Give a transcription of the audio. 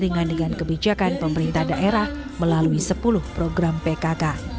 dengan dengan kebijakan pemerintah daerah melalui sepuluh program pkk